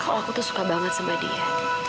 kok aku tuh suka banget sama dia